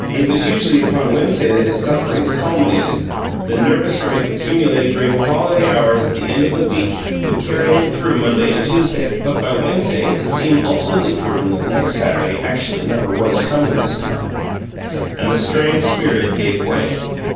It was usually upon Wednesday that his sufferings culminated; the nervous strength accumulated during the holiday hours at the end of the week would carry him through Monday and Tuesday; but by Wednesday it seemed ultimately proven that the next Saturday actually never was coming, "this time", and the strained spirit gave way.